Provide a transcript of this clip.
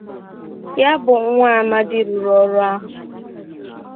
ya bụ nwa amadi rụrụ ọrụ ahụ